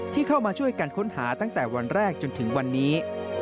ที่เข้ามาช่วยกันค้นหาตั้งแต่วันแรกจนถึงวันนี้